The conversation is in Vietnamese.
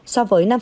so với năm một